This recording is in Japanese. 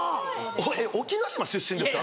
隠岐島出身ですか？